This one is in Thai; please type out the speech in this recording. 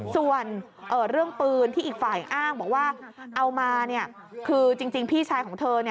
ส่วนเรื่องปืนที่อีกฝ่ายอ้างบอกว่าเอามาคือจริงพี่ชายของเธอ